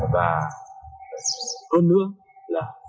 và hơn nữa là